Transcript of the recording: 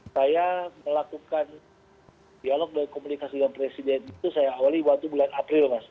saya melakukan dialog dan komunikasi dengan presiden itu saya awali waktu bulan april mas